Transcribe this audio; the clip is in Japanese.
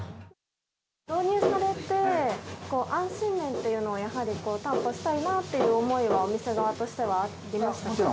導入されて、安心面っていうのをやはり担保したいなっていう思いはお店側としもちろん